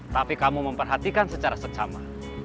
tapi kamu memperhatikan secara secama